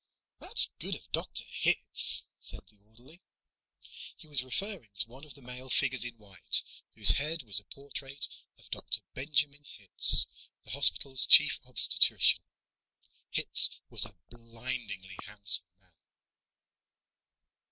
"That's good of Dr. Hitz," said the orderly. He was referring to one of the male figures in white, whose head was a portrait of Dr. Benjamin Hitz, the hospital's Chief Obstetrician. Hitz was a blindingly handsome man.